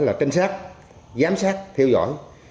là trinh sát giám sát theo dõi